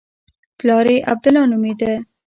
پلار یې عبدالله نومېده.